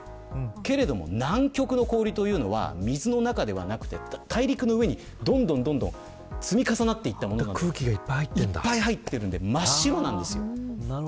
けれども南極の氷は水の中ではなく、大陸の上にどんどん積み重なっていたものだから空気がいっぱい入っているので真っ白なんですよ。